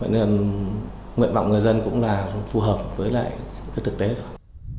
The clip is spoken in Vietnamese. vậy nên nguyện vọng người dân cũng là phù hợp với lại thực tế thôi